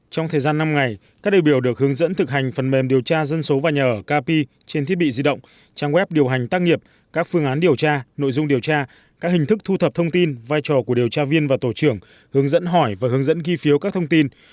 trong thời gian năm ngày các đại biểu được hướng dẫn thực hành phần mềm điều tra dân số và nhà ở kp trên thiết bị di động trang web điều hành tác nghiệp các phương án điều tra nội dung điều tra các hình thức thu thập thông tin vai trò của điều tra viên và tổ trưởng hướng dẫn hỏi và hướng dẫn ghi phiếu các thông tin